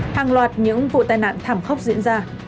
hàng loạt những vụ tai nạn thảm khốc diễn ra